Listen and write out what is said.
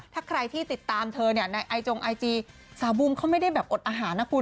ถ้าใครที่ติดตามเธอเนี่ยในไอจงไอจีสาวบูมเขาไม่ได้แบบอดอาหารนะคุณ